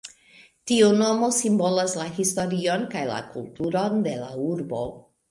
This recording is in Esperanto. Tiu nomo simbolas la historion kaj la kulturon de la urbo.